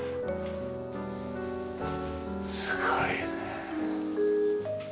すごいねえ。